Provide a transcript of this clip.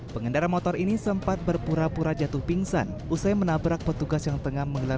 pengendara motor ini sempat berpura pura jatuh pingsan usai menabrak petugas yang tengah menggelar